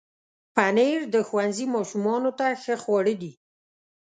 پنېر د ښوونځي ماشومانو ته ښه خواړه دي.